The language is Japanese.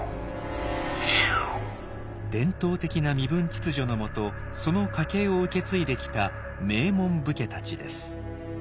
伝統的な身分秩序のもとその家系を受け継いできた名門武家たちです。